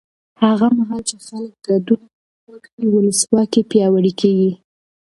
هغه مهال چې خلک ګډون وکړي، ولسواکي پیاوړې کېږي.